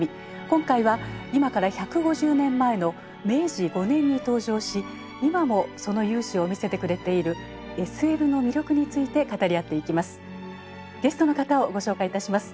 今回は今から１５０年前の明治５年に登場し今もその雄姿を見せてくれているＳＬの魅力について語り合っていきます。